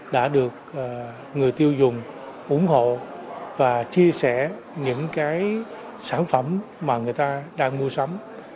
đã được người tiêu dùng ủng hộ và chia sẻ những cái sản phẩm mà người ta đang mua sắm